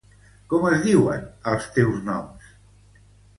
Com es diuen els teus noms?